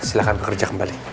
silahkan bekerja kembali